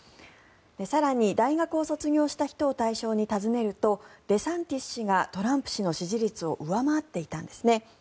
更に、大学を卒業した人を対象に尋ねるとデサンティス氏がトランプ氏の支持率を上回っていたんです。